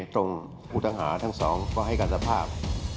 ตรงอุทังหาทั้งสองก็ให้การสภาพ